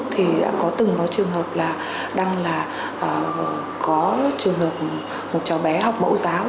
trên facebook thì đã có từng có trường hợp là đăng là có trường hợp một cháu bé học mẫu giáo